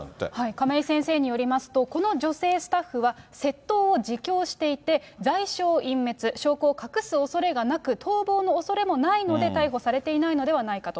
亀井先生によりますと、この女性スタッフは、窃盗を自供していて、罪証隠滅、証拠を隠すおそれがなく、逃亡のおそれもないので逮捕されていないのではないかと。